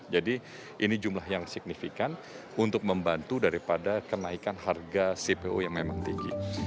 jadi ini jumlah yang signifikan untuk membantu daripada kenaikan harga cpo yang memang tinggi